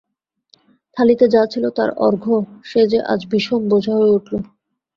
থালিতে যা ছিল তার অর্ঘ্য, সে যে আজ বিষম বোঝা হয়ে উঠল!